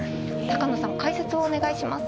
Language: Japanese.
野さん解説をお願いします。